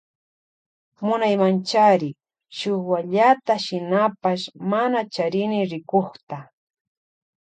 Munaymanchari shuk wallata shinapash mana charini rikukta.